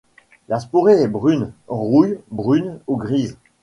La sporée est brune, rouille brune ou grise.